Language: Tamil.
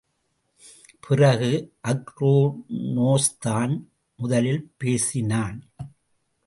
பிறகு, அக்ரோனோஸ்தான் முதலில் பேசினான்.